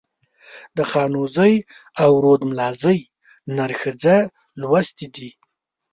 د خانوزۍ او رودملازۍ نر ښځه لوستي دي.